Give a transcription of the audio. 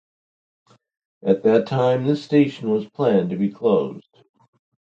At that time, this station was planned to be closed.